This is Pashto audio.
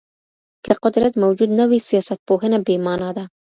که قدرت موجود نه وي سياستپوهنه بې مانا ده.